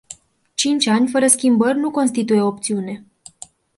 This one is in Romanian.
Cinci ani fără schimbări nu constituie o opțiune.